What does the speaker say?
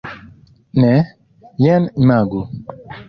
Ne, jen imagu!